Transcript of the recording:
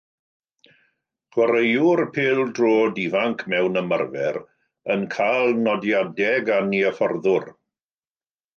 Chwaraewr pêl-droed ifanc mewn ymarfer, yn cael nodiadau gan ei hyfforddwr.